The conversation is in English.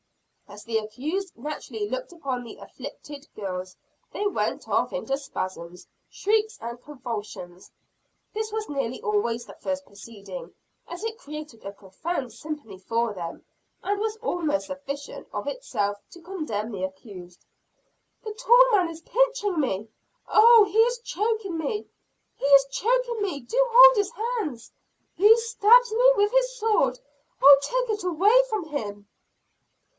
As the accused naturally looked upon the "afflicted" girls, they went off into spasms, shrieks and convulsions. This was nearly always the first proceeding, as it created a profound sympathy for them, and was almost sufficient of itself to condemn the accused. "The tall man is pinching me!" "Oh, he is choking me!" "He is choking me! do hold his hands!" "He stabs me with his sword oh, take it away from him!"